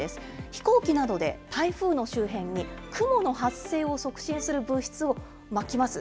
飛行機などで台風の周辺に雲の発生を促進する物質をまきます。